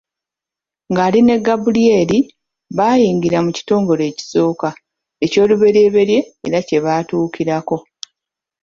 Ng’ali ne Gabulyeri, baayingira mu kitongole ekisooka, ekyoluberyeberye era kye baatuukirako.